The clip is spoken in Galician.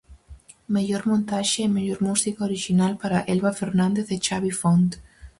Mellor Montaxe e Mellor Música Orixinal para Elba Fernández e Xavi Font.